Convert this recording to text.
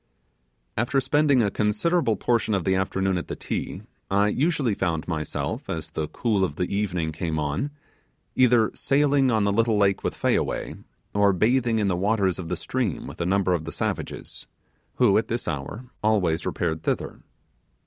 After spending a considerable portion of the afternoon at the Ti, I usually found myself, as the cool of the evening came on, either sailing on the little lake with Fayaway, or bathing in the waters of the stream with a number of the savages, who, at this hour, always repaired thither.